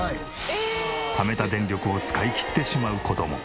ためた電力を使いきってしまう事も。